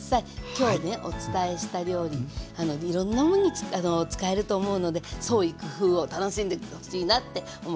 今日ねお伝えした料理いろんなものに使えると思うので創意工夫を楽しんでほしいなって思っています。